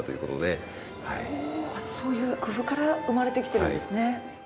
そういう工夫から生まれてきてるんですね。